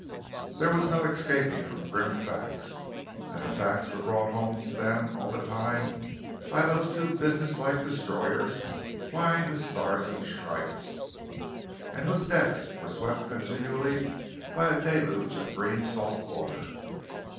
There was no escaping from grim facts, and the facts were brought home to them all the time by those two businesslike destroyers flying the Stars and Stripes, and whose decks were swept continually by a deluge of green salt water.